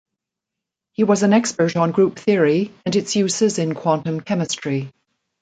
He was an expert on group theory and its uses in quantum chemistry.